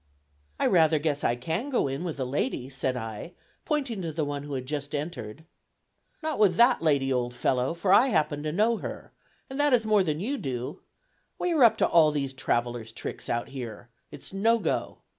"I rather guess I can go in with a lady," said I, pointing to the one who had just entered. "Not with that lady, old fellow; for I happen to know her, and that is more than you do; we are up to all these travellers' tricks out here; it's no go."